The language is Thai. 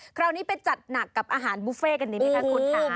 คราวนี้ไปจัดหนักกับอาหารบุฟเฟ่กันดีไหมคะคุณค่ะ